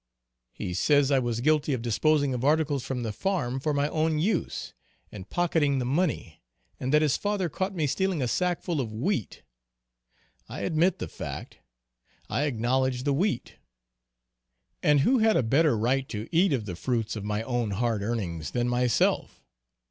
He says I was guilty of disposing of articles from the farm for my own use, and pocketing the money, and that his father caught me stealing a sack full of wheat. I admit the fact. I acknowledge the wheat. And who had a better right to eat of the fruits of my own hard earnings than myself?